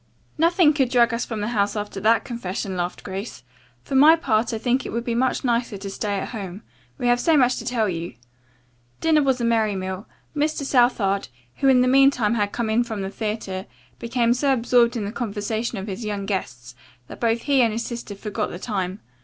"Nothing could drag us from the house after that confession," laughed Grace. "For my part I think it would be much nicer to stay at home. We have so much to tell you." Dinner was a merry meal. Mr. Southard, who in the meantime had come in from the theatre, became so absorbed in the conversation of his young guests that both he and his sister forgot the time.